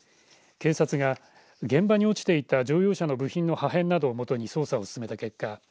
警察が現場に落ちていた乗用車の部品の破片などをもとに捜査を進めた結果